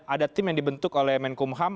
ada tim yang dibentuk oleh menkumham